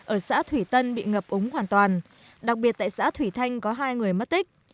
ở xã thủy tân bị ngập úng hoàn toàn đặc biệt tại xã thủy thanh có hai người mất tích